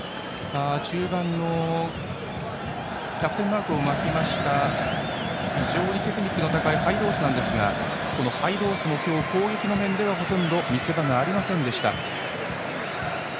中盤のキャプテンマークを巻いた非常にテクニックの高いハイドースなんですがこのハイドースも今日は攻撃の面ではほとんど見せ場がありませんでした。